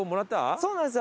そうなんですよ。